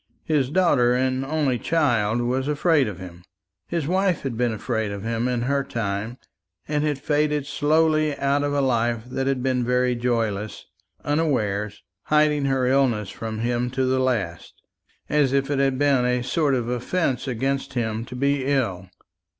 His daughter and only child was afraid of him; his wife had been afraid of him in her time, and had faded slowly out of a life that had been very joyless, unawares, hiding her illness from him to the last, as if it had been a sort of offence against him to be ill.